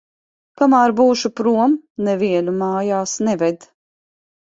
Kamēr būšu prom, nevienu mājās neved.